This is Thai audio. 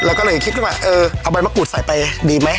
ก็เลยคิดขึ้นมาเออเอาใบมะกรูดใส่ไปดีไหม